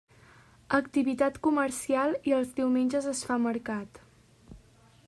Activitat comercial i els diumenges es fa mercat.